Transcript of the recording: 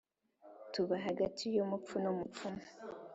Tuba hagati y'umupfu n'umupfumu